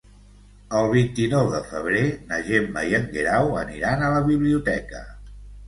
El vint-i-nou de febrer na Gemma i en Guerau aniran a la biblioteca.